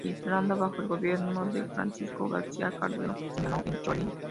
Instalado bajo el gobierno de Francisco García Calderón, sesionó en Chorrillos.